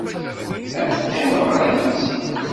Ad teqqimeḍ ɣer imensi?